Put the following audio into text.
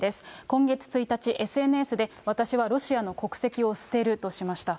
今月１日、ＳＮＳで私はロシアの国籍を捨てるとしました。